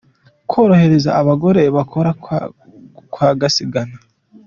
'Kworohereza abagore bakora' - Kwasi, Ghana.